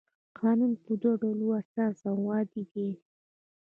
قانون په دوه ډوله اساسي او عادي دی.